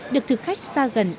được thực khách xa gần